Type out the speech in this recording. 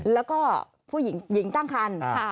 แล้วก็ผู้หญิงตั้งครรภ์